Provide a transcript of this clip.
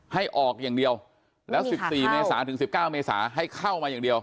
ให้ออกอย่างเดียวแล้วสิบสี่เมษาถึงสิบเก้าเมษาให้เข้ามาอย่างเดียว